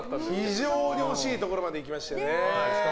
非常に惜しいところまでいきましたよね。